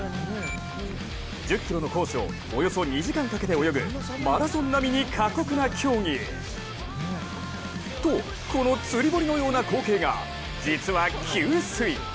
１０ｋｍのコースをおよそ２時間かけて泳ぐマラソン並みに過酷な競技。と、この釣り堀のような光景が実は給水。